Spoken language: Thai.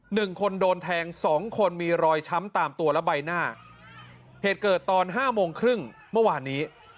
หนึ่งคนโดนแทงสองคนมีรอยช้ำตามตัวและใบหน้าเหตุเกิดตอนห้าโมงครึ่งเมื่อวานนี้